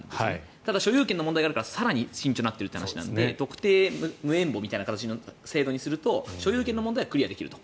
ただ所有権の問題があるから更に慎重になっているという話なので特定無縁墓みたいな形の制度にすると所有権の問題はクリアできると。